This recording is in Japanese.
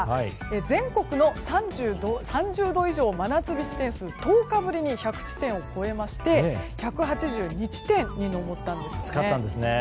全国の３０度以上真夏日地点数１０日ぶりに１００地点を超えまして１８２地点に上ったんですね。